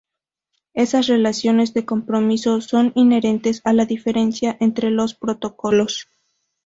Esas relaciones de compromiso son inherentes a la diferencia entre los protocolos.